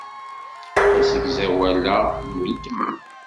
Asegzawal-a n weltma.